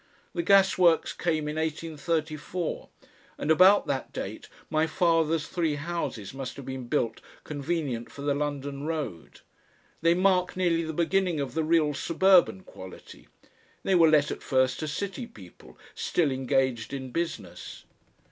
The gasworks came in 1834, and about that date my father's three houses must have been built convenient for the London Road. They mark nearly the beginning of the real suburban quality; they were let at first to City people still engaged in business.